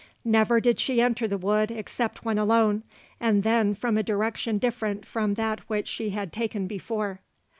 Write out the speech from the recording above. Never did she enter the wood except when alone, and then from a direction different from that which she had taken before.